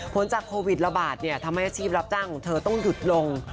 จากโควิดระบาดทำให้อาชีพรับจ้างของเธอต้องหยุดลง